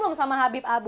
belum sama habib abu